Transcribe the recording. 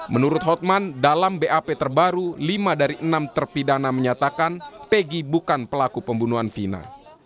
menurut hotman dalam bap terbaru lima dari enam terpidana menyatakan tegy bukan pelaku pembunuhan vina